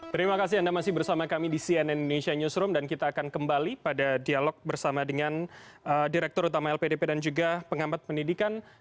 terima kasih anda masih bersama kami di cnn indonesia newsroom dan kita akan kembali pada dialog bersama dengan direktur utama lpdp dan juga pengambat pendidikan